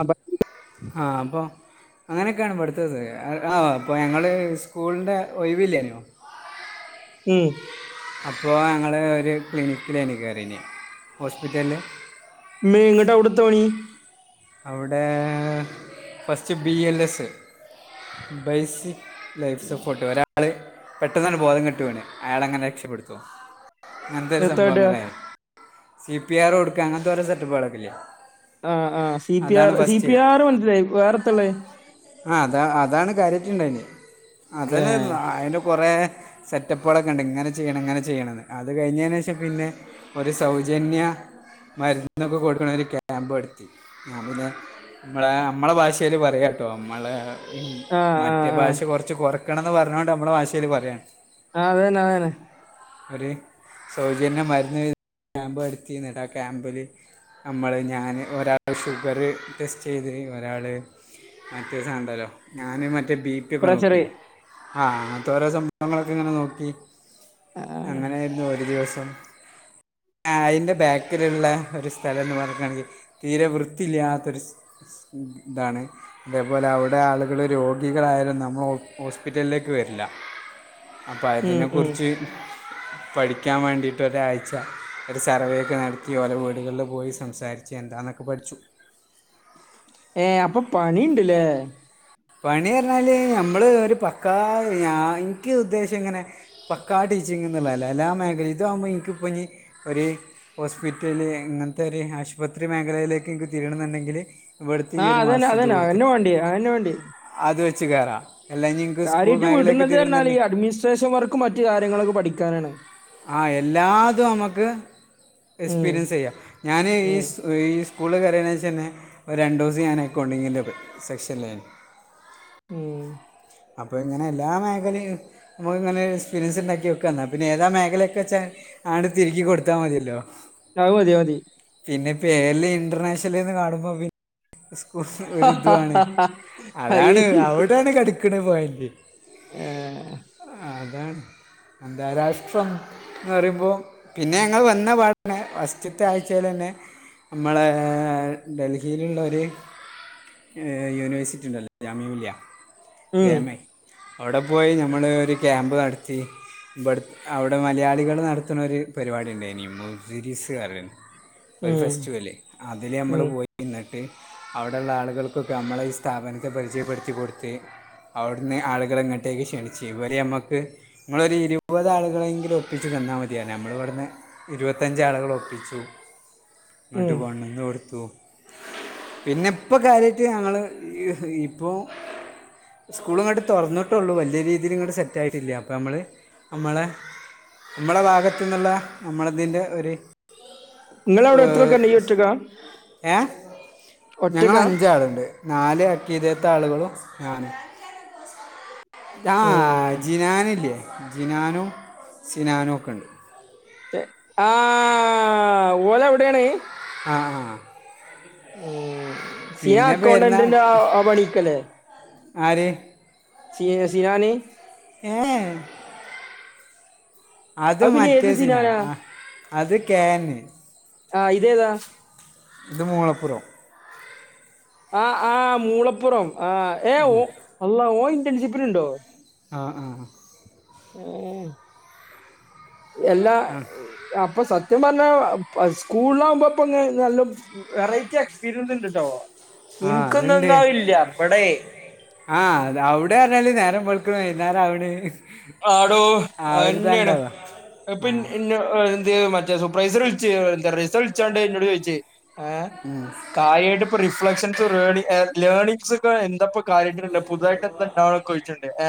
ആപ [inaudible] ആ അപ്പൊ അങ്ങനെക്കാണ് പടുത്തത് ആ അപ്പോൾ ഞങ്ങൾ സ്കൂളിൻ്റെ ഒഴിവില്ലേന്നോ മ്മ് അപ്പോ ഞങ്ങൾ ഒരു ക്ലിനിക്കിലാണ് കേറീന് ഹോസ്പിറ്റലിൽ [unintelligible] അവിടേ first B L S basic life support ഒരാള് പെട്ടെന്അങ്ങട് ബോധം കെട്ട് വീണ് അയാളെങ്ങനെ രക്ഷപ്പെടുത്തും അങ്ങനത്തെ ഒരു എത്താട്ട സംഭവങ്ങളെ സി പി ആർ കൊടുക്കുക അങ്ങനത്തെ കുറെ സെറ്റപ്പാളൊക്കില്ലേ ആഹ ആഹ C P R C P R മനസ്സിലായി വേറെത്താള്ളെ ആഹ അത അതാണ് കാര്യാട്ട്ണ്ടായിന്യെ ഏ അതന്നെ അയിന് കൊറെ സെറ്റപ്പുളൊക്കെണ്ട് ഇങ്ങനെ ചെയ്യണം ഇങ്ങനെ ചെയ്യണന്ന് അത് കഴിഞ്ഞേനേഷം പിന്നെ ഒരു സൗജന്യ മരുന്നൊക്കെ കൊടുക്കണ ഒരു ക്യാമ്പ് നടത്തി. അബു ദാ മ്മളെ നമ്മളെ ഭാഷേല് പറയാ. ഓ മ്മളെ ആ ആ മറ്റേ ആ ഭാഷ കൊറച്ച് കൊറക്കണംന്ന് പറഞ്ഞൊണ്ട് നമ്മളെ ഭാഷേല് പറയാണ്. ആ അതെന്നെ അതെന്നെ. ഒരു സൗജന്യ മരുന്ന് ക്യാമ്പ് നടത്തി ന്നിട്ട് ആ ക്യാമ്പില്. നമ്മൾ ഞാൻ ഒരാള് ഷുഗറ് ടെസ്റ്റ് ചെയ്തത് ഒരാൾ മറ്റേ സാധനണ്ടല്ലോ ഞാന് മറ്റേ ബിപി ഒക്കെ പ്രഷർ നോക്കിയെ ആഹ് അത്തോരോ സംഭവങ്ങളൊക്കെ ഇങ്ങനെ നോക്കി ആ, അങ്ങനായിരുന്നു ഒരു ദിവസം ആ അയ്ന്റെ ബാക്കില്ള്ള ഒരു സ്ഥലം ന്ന് പറഞ്ഞ്ണെങ്കി തീരെ വൃത്തില്ല്യാത്തൊരു സ് ഇതാണ് ഇതേപോലെ അവിടെ ആളുകൾ രോഗികളായാലുംനമ്മ ഒ ഹോസ്പിറ്റലിലേക്ക് വരില്ല ഉം അപഴത്തിനെ ഉം കുറിച്ച് പഠിക്കാൻ വേണ്ടിയിട്ട് ഒരാഴ്ച ഒരു സർവേക്കെ നടത്തി ഓലെ വീടുകളിൽ പോയി സംസാരിച്ചു ചെ എന്താന്നൊക്കെ പഠിച്ചു ഏ അപ്പൊ പണിണ്ട്ല്ലേ പണി പറഞ്ഞാല് നമ്മൾ ഒരു പക്കാ ഞാ എനിക്ക് ഉദ്ദേശം ഇങ്ങനെ പക്കാ ടീച്ചിങ്ന്ന്ള്ളല്ല എല്ലാ മേഖല ഇതാവുമ്പോ എനിക്കിപ്പോ ഇനി ഒരു ഹോസ്പിറ്റല് ഇങ്ങനത്തെ ഒരു ആശുപത്രി മേഖലയിലേക്ക് എനിക്ക് തിരിയണന്നുണ്ടെങ്കില് വെടുത്തീ ഒരു മാസം ത് കൊടുത്ത് ണ്ടി അവന് വേണ്ടി അത് വെച്ച് കേറാ അല്ലഞ്ഞി കാര്യായിട്ട് വിടുന്നത് എന്നാൽ ഈ അഡ്മിനിസ്ട്രേഷൻ വർക്കും മറ്റും കാര്യങ്ങളൊക്കെ പഠിക്കാനാണ്. ആഹ എല്ലാതും നമുക്ക് ഉം എക്സ്പീരിയൻസ് ചെയ്യാം ഞാന് ഈ ഉം ഈ സ്കൂളിൽ കയറിയനേഷന്നെ ഒരു രണ്ടു ദിവസം ഞാൻ അക്കൗണ്ടിങ്ങിൻ്റെ സെക്ഷനിലാണ് മ്മ് അപ്പോങ്ങനെ എല്ലാ മേഖലയും നമുക്ക്ങ്ങനെ എക്സ്പീരിയൻസ്ണ്ടാക്കി വെക്ക ന്നാ പിന്നെ ഏതാ മേഖലെക്കെച്ചാ ആണ്ട് തിരുകി കൊടുത്താ മതിയല്ലോ. അ അത് മതി മതി പിന്നെ പേര്ല് ഇന്റർനാഷല്ന്ന് കാണുമ്പോ പി ഉഫ് ഒരുതാണ് ഹൈ. അതാണ് അവിടേണ് കടിക്കണെ പോയന്റെ എആ അതാണ് അന്താരാഷ്ട്രം ന്ന് പറയുമ്പോ പിന്നെ ഞങ്ങൾ വന്ന പാടന്നെ ഫസ്റ്റത്തെ ആഴ്ചേല തന്നെ നമ്മളെ ഡൽഹിൽ ഒര് യൂണിവേഴ്സിറ്റി ഉണ്ടല്ലോ ജാമിമില്യ ഉം ജയമൈ അവിടെ പോയി നമ്മള് ഒരു ക്യാമ്പ് നടത്തി ഇവി, അവിടെ മലയാളികൾ നടത്തുന്നൊരു ഒരു പരിപാടി ഉണ്ടായിനി മുദ് രിസ്റയും. ഒരു ഉം ഫെസ്റ്റിവല് അതില് നമ്മള് ഉം പോ എന്നിട്ട് അവിടെ ഉള്ള ആളുകൾക്കൊക്കെ നമ്മളെ ഈ സ്ഥാപനത്തെ പരിചയപ്പെടുത്തി കൊടുത്ത് അവിടുന്ന് ആളുകളെ ഇങ്ങോട്ടേക്ക് ക്ഷണിച്ചു ഇവര് ഞമ്മക്ക് നമ്മളൊരു ഇരുപത് ആളുകളെങ്കിലും ഒപ്പിച്ച് തന്നാ മതിയാന് നമ്മള് പറഞ്ഞ് ഇരുപത്തഞ്ച്ആളുകൾ ഒപ്പിച്ചു ഇങ്ങോട്ട് ഉം കൊണ്ടന്ന് കൊടുത്തു പിന്നെ ഇപ്പൊ കാര്യായിട്ട് ഞങ്ങള് ഇപ്പോ സ്കൂള് ഇങ്ങോട്ട് തുറന്നിട്ടുള്ളൂ വലിയ രീതിൽ ഇങ്ങട് സെറ്റ് ആയിട്ടില്ല അപ്പോ ഞമ്മള് അമ്മളെ. നമ്മള ഭാഗത്ത്ന്നുള്ള നമ്മളതിന്റ ഒര് ഏ നിങ്ങളവിടെ എത്ര ഒക്കെ ഉണ്ട് ഈ ഒറ്റക്കാ ഏഹ ഞങ്ങ ഒറ്റക്കാ അഞ്ചാള്ണ്ട് നാല് അക്കിതത്തെ ആളുകളും ഞാനു. ആഹ് ഉം അജിനാനില്ലേ അജിനാനും സിനാനും ഒക്കെ ഉണ്ട് ആ ഓല് എവിടെയാണ് ആഹ. ഉം സിയ പിന്നെ പേരുന്ന അക്കൗണ്ടന്റിന്റെ ആ പണിക്കല്ലേ? ആര് സി എ സിയാനി ഏ അത് പിന്നെ ഏത് മറ്റേ സിന സിനാനാ ആ അത് കേന്. ആ ഇതേതാ ഇത് മോളപ്പരം ആ, ആ മൂളപ്പുറം ആ ഏ ഓ അള്ള ഓൻ ഇന്റേൺഷിപ്പിനുണ്ടോ? ആഹ്, ആഹ്. ഉം എല്ലാ അപ്പൊ സത്യം പറഞ്ഞാ പ സ്കൂളിലാകുമ്പോ പ്പോ ങ്ങെ നല്ലോ വെറൈറ്റി എക്സ്പീരിയൻസ് ഇണ്ട്ട്ടോ ആ എനിക്കൊന്നുംന്നയില്ല ഇവിടെ ആഹ് അവ്ടെ പറഞ്ഞല് നേരം വെളുക്ക്ണ് വൈന്നരം അവ്ണ്. ആടോ അയന്നെ ആണ്. ആ [unintelligible] മറ്റേ സൂപ്രൈസറ് വിളിച്ച് എന്താ പറയാ റിസൾട് എന്നോട് ചോയിച്ചു കാരിയെയിട്ട് ഇപ്പൊ റിഫ്ലക്ഷൻസ് ലേണി, ലേണിംങ്സ്ക്ക എന്താപ്പോ കാര്യത്തില്ല പുതുതായിട്ട് എന്താഇണ്ട്ന്ന് ചോയ്ക്കണ്ണ്ട് ഏ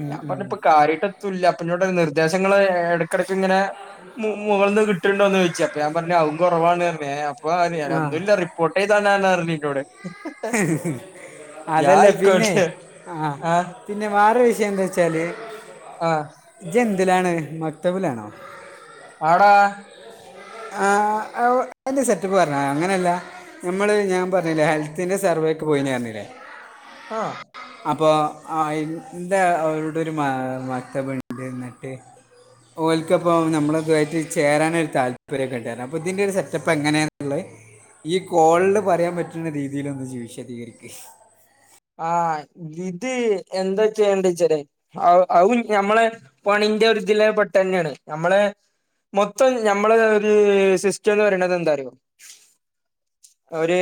ഉം, ഞാൻ ഉം. പറഞ്ഞപ്പ കാര്യായിട്ട് എത്തുല്ല അപ്പോ എന്നോടങ്ങനെ നിർദ്ദേശങ്ങൾ ഇടക്കിടയ്ക്ക് ഇങ്ങനെ മുകളന്ന് കി ഇറ്റുണ്ടോന്നോച്ച് അപ്പ ഞാൻ പറഞ്ഞ് അവും കുറവാണ് അപ്പ ആ ഒന്നുംല്ല റിപ്പോട്ടെയ്താനാനാർഞ്ഞെന്നോട് അതല്ലേ പിന്നെ ആയിക്കോട്ടെ ആഹ ആഹ് പിന്നെ വാറെരു വിഷയം എന്താച്ചാല് ആഹ് ഇജ് എന്തിലാണ് മക്തബിലാണോ? ആട. ആ അയിന്റെ സെറ്റപ്പ് പറഞ്ഞ അങ്ങനെയല്ല. നമ്മള് ഞാൻ പറഞ്ഞില്ലേ ഹെൽത്തിന്റെ സർവേക്ക് പോയിന്ന് പറഞ്ഞില്ലേ. ആഹ അപ്പൊ അയിന്റെ അവരുടെ ഒരു [unintelligible] ഓൽക്ക ഇപ്പോ നമ്മളാതായിട്ട് ചേരാനൊരു താല് ഒരു ഗണപതിന്റെര് സെറ്റപ്പ്ങ്ങനെണുള്ളെ. ഈ കോളില് ‌ പറയാൻ പറ്റുന്ന രീതിയിൽ ഒന്ന് ഇജ് വീശദികരിക്ക്. ആഹ് ഇത് എന്താ ചെയ്യണ്ട്ച്ചാലെ ആ, ആ ഒര് ഞമ്മളെ പണിന്റെ ഒരുതിലെ പെട്ടന്നെണ് നമ്മള് മൊത്തം ഞമ്മള് ഒരു സിസ്റ്റംന്ന് പറയണത് എന്താ അറിയോ? ഒര്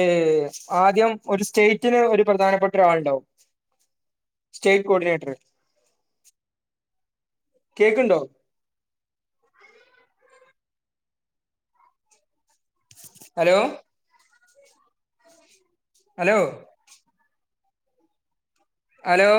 ആദ്യം ഒരു സ്റ്റേറ്റിന് ഒരു പ്രധാനപ്പെ ആളുണ്ടാവും സ്റ്റേറ്റ് കോഡിനേറ്റർ കേക്കുണ്ടോ ഹലോ ഹലോ ഹലോ